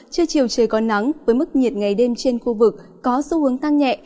trưa chiều trời có nắng với mức nhiệt ngày đêm trên khu vực có xu hướng tăng nhẹ